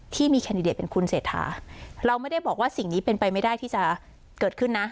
แคนดิเดตเป็นคุณเศรษฐาเราไม่ได้บอกว่าสิ่งนี้เป็นไปไม่ได้ที่จะเกิดขึ้นนะ